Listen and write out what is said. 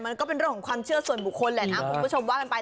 ก็เป็นเรื่องของความเชื่อส่วนบุคคลแหละนะคุณผู้ชมว่ากันไป